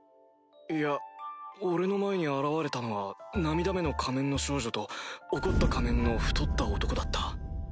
いや俺の前に現れたのは涙目の仮面の少女と怒った仮面の太った男だった。